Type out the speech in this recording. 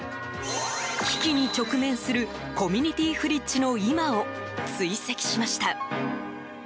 危機に直面するコミュニティフリッジの今を追跡しました。